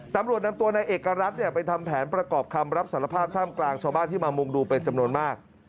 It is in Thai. ตำรวจนำตัวนายเอกรัฐไปทำแผนประกอบคำรับสารภาพท่ามกลางชาวบ้านที่มามุงดูเป็นจำนวนมาก